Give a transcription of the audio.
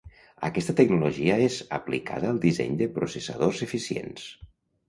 Aquesta tecnologia és aplicada al disseny de processadors eficients.